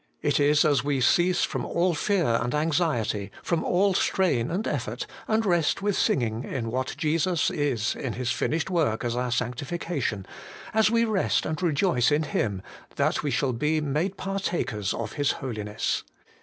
It is as we cease from all fear and anxiety, from all strain and effort, and rest with singing in what Jesus is in His finished work as our sanctification, as we rest and rejoice in Him, that we shall be made partakers of His Holiness.